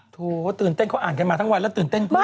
โถตื่นเต้นเขาอ่านกันมาทั้งวันแล้วตื่นเต้นก็ไม่เหนื่อย